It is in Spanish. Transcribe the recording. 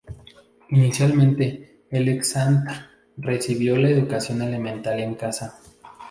Inicialmente Aleksandr recibió la educación elemental en casa.